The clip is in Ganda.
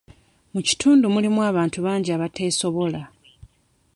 Mu kitundu mulimu abantu bangi abateesobola.